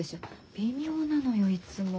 微妙なのよいつも。